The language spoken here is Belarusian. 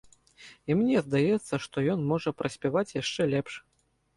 І мне здаецца, што ён можа праспяваць яшчэ лепш.